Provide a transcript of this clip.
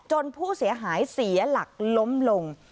ผู้เสียหายเสียหลักล้มลง